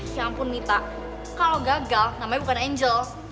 ya ampun mita kalau gagal namanya bukan angel